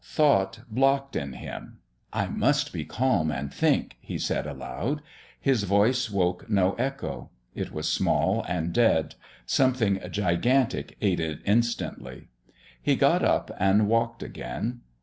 Thought blocked in him. "I must be calm and think," he said aloud. His voice woke no echo; it was small and dead; something gigantic ate it instantly. He got up and walked again.